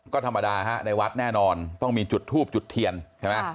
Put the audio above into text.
ก็ธรรมดาฮะในวัดแน่นอนต้องมีจุดทูบจุดเทียนใช่ไหม